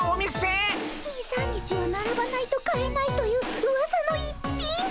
２３日はならばないと買えないといううわさの逸品。